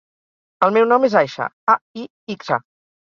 El meu nom és Aixa: a, i, ics, a.